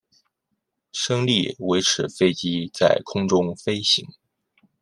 升力维持飞机在空中飞行。